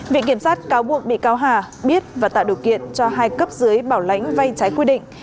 viện kiểm sát cáo buộc bị cáo hà biết và tạo điều kiện cho hai cấp dưới bảo lãnh vay trái quy định